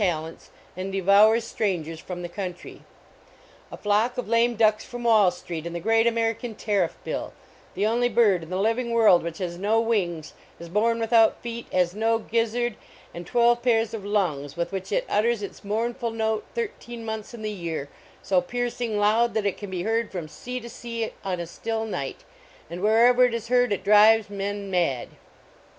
(Pun TIII : OLD ROAD snow ents and devours strangers from the country ; a flock of lame Ducks from Wall street, and the great American Tariff Bill, the only bird in the living world which has no wings, is born without feet, has no gizzard, and twelve pairs of lungs, with which it utters its mournful note thirteen months in the year so piercing loud that it can be heard from sea to sea on a still night, and wherever it is heard it drives men mad